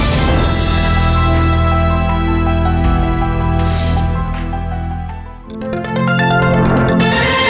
สวัสดีครับ